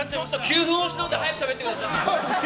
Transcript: ９分押しなのでちょっと早くしゃべってください。